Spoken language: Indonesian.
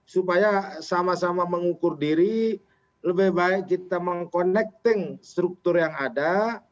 supaya sama sama mengukur diri lebih baik kita meng connecting struktur yang ada